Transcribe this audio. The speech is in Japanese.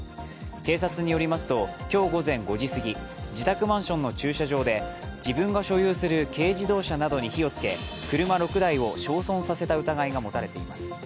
警察によりますと、今日午前５時過ぎ自宅マンションの駐車場で自分が所有する軽自動車などに火をつけ、車６台を焼損された疑いが持たれています。